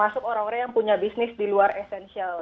untuk orang orang yang punya bisnis di luar esensial